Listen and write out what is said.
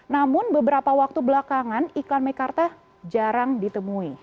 namun beberapa waktu belakangan iklan mekarta jarang ditemui